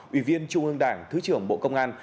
ủy viên trung ương đảng thứ trưởng bộ công an